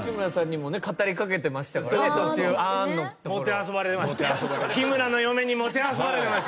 もてあそばれました。